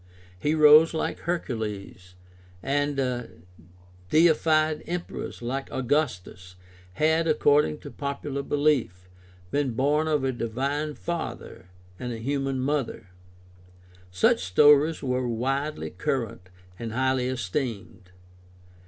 Heroes like Hercules and deified emperors like Augustus had, according to popular belief, been born of a divine father and a human mother. Such stories were widely current and highly esteemed.